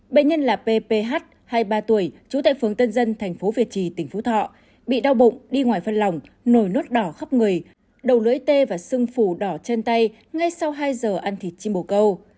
bệnh nhân là p p h hai mươi ba tuổi trú tại phường tân dân tp việt trì tỉnh phú thọ bị đau bụng đi ngoài phân lòng nổi nốt đỏ khắp người đầu lưỡi tê và xương phủ đỏ trên tay ngay sau hai giờ ăn thịt chim bổ câu